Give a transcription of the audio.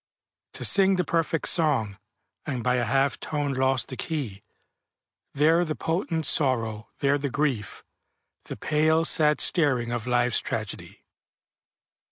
To sing the perfect song, And by a half tone lost the key, There the potent sorrow, there the grief, The pale, sad staring of Life's Tragedy.